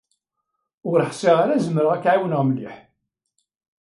Ur ḥsiɣ ara zemreɣ ak-ɛiwneɣ mliḥ.